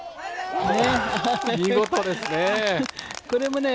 見事ですね。